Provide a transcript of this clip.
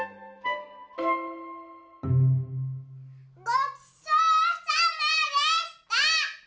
ごちそうさまでした！